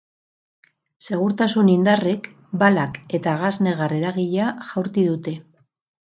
Segurtasun-indarrek balak eta gas negar-eragilea jaurti dute.